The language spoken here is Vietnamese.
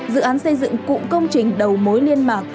dự án xây dựng cụm công trình đầu mối liên mạc